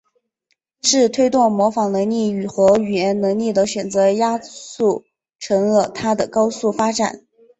是推动模仿能力和语言能力的选择压促成了它的高速发展。